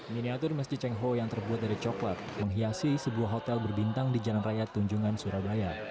miniatur masjid cengho yang terbuat dari coklat menghiasi sebuah hotel berbintang di jalan raya tunjungan surabaya